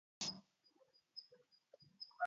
أقوت عهودهم فأين ذمامي